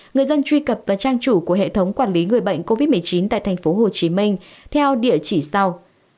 người dân truy cập vào trang chủ của hệ thống quản lý người bệnh covid một mươi chín tại tp hcm theo địa chỉ sau